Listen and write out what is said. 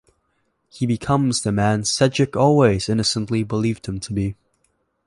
He becomes the man Cedric always innocently believed him to be.